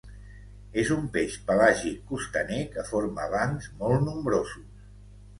És un peix pelàgic costaner que forma bancs molt nombrosos.